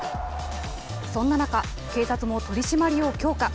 そんな中、警察も取締りを強化。